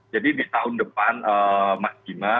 jadi di tahun depan mas gima